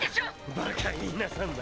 バカ言いなさんな。